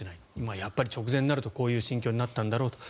やっぱり直前になるとこういう心境になったんだろうと。